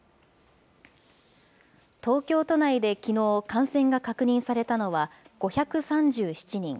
東京都内できのう、感染が確認されたのは５３７人。